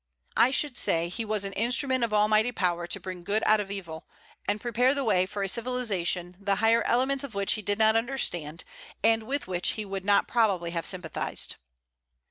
I should say he was an instrument of Almighty power to bring good out of evil, and prepare the way for a civilization the higher elements of which he did not understand, and with which he would not probably have sympathized.